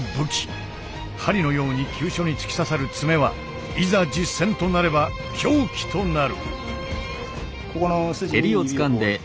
針のように急所に突き刺さる爪はいざ実戦となれば凶器となる。